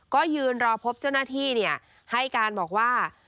ก็ยืนรอพบเจ้าหน้าที่เนี่ยให้การบอกว่า